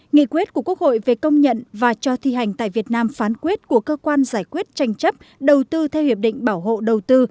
nghị quyết của quốc hội về công nhận và cho thi hành tại việt nam phán quyết của cơ quan giải quyết tranh chấp đầu tư theo hiệp định bảo hộ đầu tư